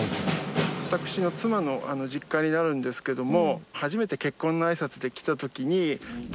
私の妻の実家になるんですけども。